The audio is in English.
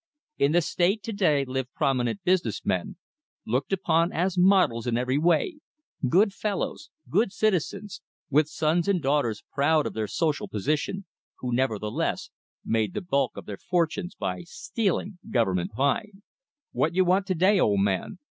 In the State to day live prominent business men, looked upon as models in every way, good fellows, good citizens, with sons and daughters proud of their social position, who, nevertheless, made the bulk of their fortunes by stealing Government pine. "What you want to day, old man?"